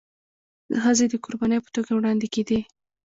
ښځي د قرباني په توګه وړاندي کيدي.